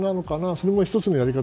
それも１つのやり方。